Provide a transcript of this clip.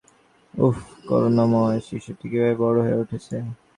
ওহ, করুণাময়, শিশুটি কিভাবে বড় হয়ে উঠেছে।